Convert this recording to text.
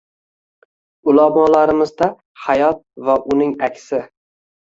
Ulamolarimizda hayot va uning aksi.